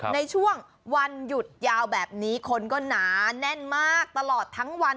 ในช่วงวันหยุดยาวแบบนี้คนก็หนาแน่นมากตลอดทั้งวัน